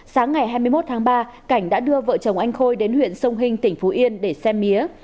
sáng ngày hai mươi một tháng ba cảnh đã đưa vợ chồng anh khôi đến huyện sông hinh tỉnh phú yên để xem mía